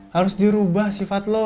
harus dirubah sifat lu